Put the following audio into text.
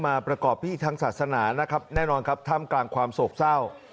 ประกอบพิธีทางศาสนานะครับแน่นอนครับถ้ำกลางความโศกเศร้า